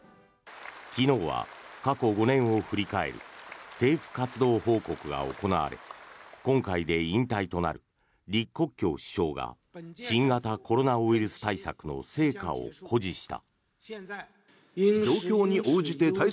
昨日は過去５年を振り返る政府活動報告が行われ今回で引退となる李克強首相が新型コロナウイルス対策の成果を誇示した。